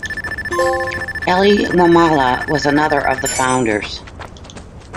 Elly Wamala was another of the founders.